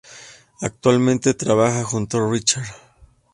Actualmente trabaja junto Richard.